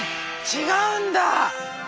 違うんだ。